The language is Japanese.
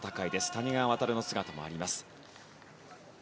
谷川航の姿もあります。